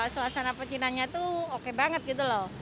suasana pecinannya tuh oke banget gitu loh